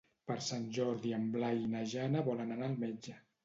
Per Sant Jordi en Blai i na Jana volen anar al metge.